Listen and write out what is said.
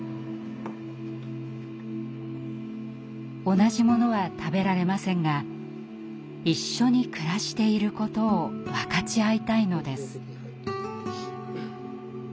同じものは食べられませんが「一緒に暮らしていること」を分かち合いたいのです。